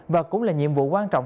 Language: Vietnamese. và cũng là nhiệm vụ quan trọng